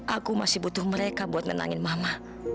aku masih butuh mereka buat nenangin mama